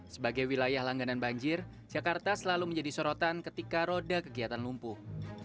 sebagai wilayah langganan banjir jakarta selalu menjadi sorotan ketika roda kegiatan lumpuh